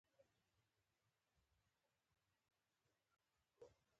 ځمکه د افغانستان د موسم د بدلون یو لوی سبب کېږي.